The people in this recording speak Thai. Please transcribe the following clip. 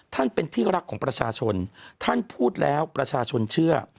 ท่านเป็นที่รักของประชาชนท่านพูดแล้วประชาชนเชื่อ